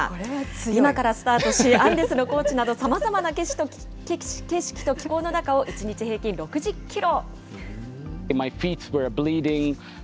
リマからスタートし、アンデスの高地など、さまざまな景色と気候の中を１日平均６０キロ。